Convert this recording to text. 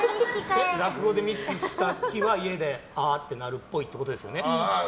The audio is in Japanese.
落語でミスした日は家で「あ゛ぁ！」ってなるっぽいってことですよね。